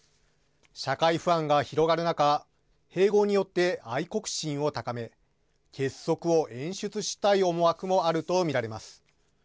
社会不安が広がる中併合によって愛国心を高め結束を演出したい思惑もあると見られます。